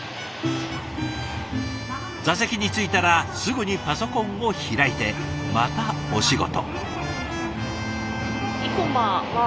座席に着いたらすぐにパソコンを開いてまたお仕事。